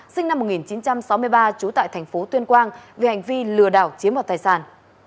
sinh năm một nghìn chín trăm sáu mươi ba trú tại tp tuyên quang về hành vi lừa đảo chiếm mọc tài sản